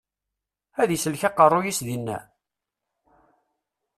Ad isellek aqeṛṛu-yis dinna?